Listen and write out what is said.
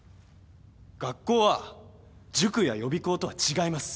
学校は塾や予備校とは違います。